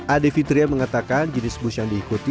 ade fitria mengatakan jenis bus yang diikuti